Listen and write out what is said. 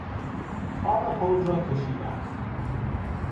آب حوض را کشیدم.